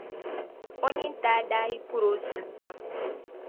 o nyintaa daa yi kur’ o suli pam.